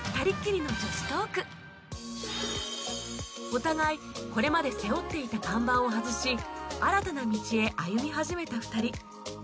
お互いこれまで背負っていた看板を外し新たな道へ歩み始めた２人